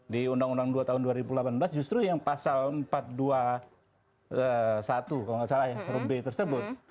di undang undang dua tahun dua ribu delapan belas justru yang pasal empat ratus dua puluh satu kalau nggak salah ya huruf b tersebut